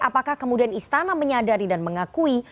apakah kemudian istana menyadari dan mengakui